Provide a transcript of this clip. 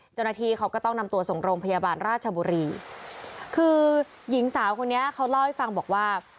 เจ้าหน้าที่เขาก็ต้องนำตัวส่งโรงพยาบาลราชบุรีคือหญิงสาวคนนี้เขาเล่าให้ฟังบอกว่า